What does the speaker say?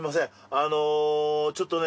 あのちょっとね